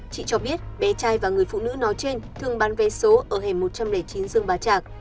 chị cho biết bé trai và người phụ nữ nói trên thường bán vé số ở hẻm một trăm linh chín dương bà trạc